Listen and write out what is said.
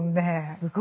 すごい。